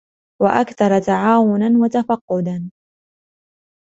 وَأَكْثَرَ تَعَاوُنًا وَتَفَقُّدًا